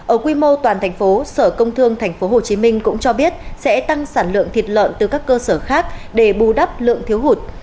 ở quy mô toàn thành phố sở công thương tp hcm cũng cho biết sẽ tăng sản lượng thịt lợn từ các cơ sở khác để bù đắp lượng thiếu hụt